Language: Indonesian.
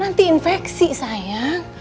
nanti infeksi sayang